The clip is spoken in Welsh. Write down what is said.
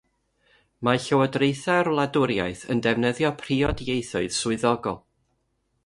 Mae llywodraethau'r wladwriaeth yn defnyddio priod ieithoedd swyddogol.